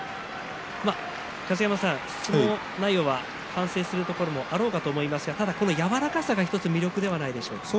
相撲内容は反省するところもあろうかと思いますがこの柔らかさが１つ魅力ではないでしょうか。